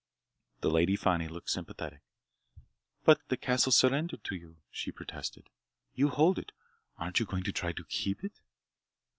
The Lady Fani looked sympathetic. "But the castle's surrendered to you," she protested. "You hold it! Aren't you going to try to keep it?"